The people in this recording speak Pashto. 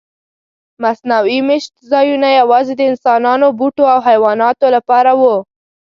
مصنوعي میشت ځایونه یواځې د انسانانو، بوټو او حیواناتو لپاره وو.